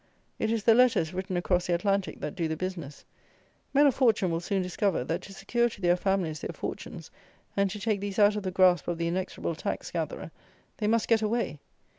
It is the letters written across the Atlantic that do the business. Men of fortune will soon discover that to secure to their families their fortunes, and to take these out of the grasp of the inexorable tax gatherer, they must get away.